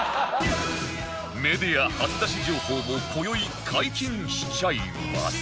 メディア初出し情報も今宵解禁しちゃいます